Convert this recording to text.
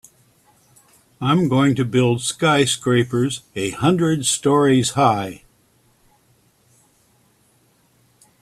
I'm going to build skyscrapers a hundred stories high.